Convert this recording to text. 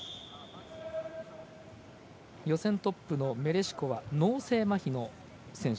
予選トップのメレシコは脳性まひの選手。